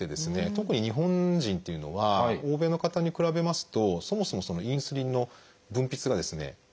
特に日本人っていうのは欧米の方に比べますとそもそもインスリンの分泌がですね弱い。